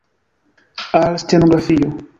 Al stenografio!